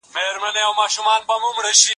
استاد شاګرد ته ګټور کتابونه او ماخذونه ښيي.